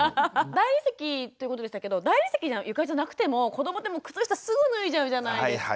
大理石ということでしたけど大理石の床じゃなくても子どもって靴下すぐ脱いじゃうじゃないですか。